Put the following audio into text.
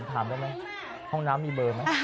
ถามได้ไหมห้องน้ำมีเบอร์ไหม